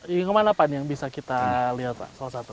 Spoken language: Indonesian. yang kemana pak yang bisa kita lihat pak salah satu